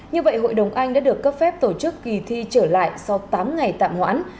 như vậy hội đồng anh đã được cấp phép tổ chức kỳ thi trở lại sau tám ngày tạm hoãn